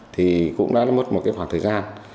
thì cũng đã mất một cái khoảng thời gian